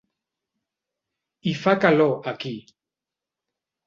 Hi fa calor, aquí!